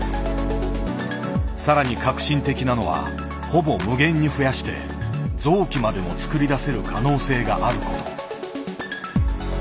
更に革新的なのはほぼ無限に増やして臓器までも作り出せる可能性がある事。